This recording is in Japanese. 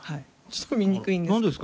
ちょっと見にくいんですけど。